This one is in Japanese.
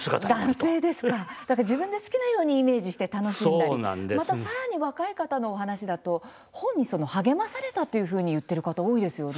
男性ですと自分の好きなようにイメージして楽しんだりさらに若い方の話だと本に励まされたと言っている方多いですよね。